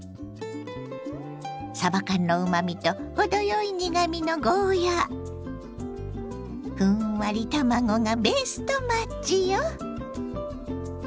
さば缶のうまみと程よい苦みのゴーヤーふんわり卵がベストマッチよ。